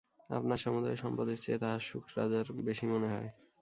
আপনার সমুদয় সম্পদের চেয়ে তাহার সুখ রাজার বেশি মনে হয়।